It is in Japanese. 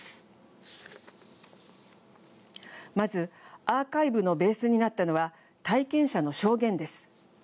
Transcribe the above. まずアーカイブのベースになったのは体験者の証言です。